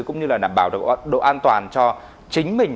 cũng như là đảm bảo độ an toàn cho chính mình